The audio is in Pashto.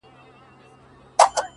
• هم یې پلار ننه ایستلی په زندان وو,